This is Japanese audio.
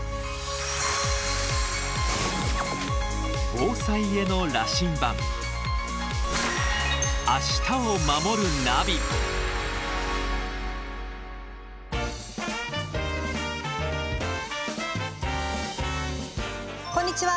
防災への羅針盤こんにちは。